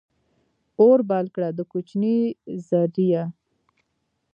اور بل کړه ، د کوچي زریه !